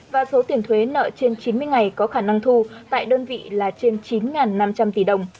và số tiền thuế nợ trên chín mươi ngày có khả năng thu tại đơn vị là trên chín năm trăm linh tỷ đồng